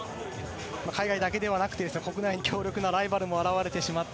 海外だけではなくて国内に強力なライバルが出てきてしまって。